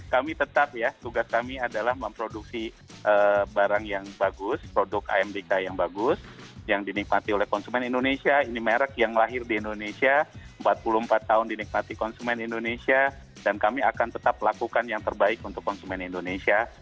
kami tetap ya tugas kami adalah memproduksi barang yang bagus produk amdk yang bagus yang dinikmati oleh konsumen indonesia ini merek yang lahir di indonesia empat puluh empat tahun dinikmati konsumen indonesia dan kami akan tetap lakukan yang terbaik untuk konsumen indonesia